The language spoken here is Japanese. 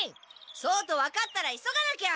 そうと分かったら急がなきゃ！